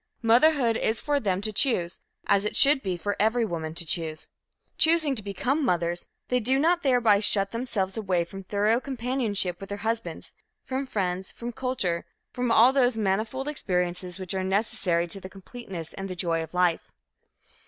Motherhood is for them to choose, as it should be for every woman to choose. Choosing to become mothers, they do not thereby shut themselves away from thorough companionship with their husbands, from friends, from culture, from all those manifold experiences which are necessary to the completeness and the joy of life.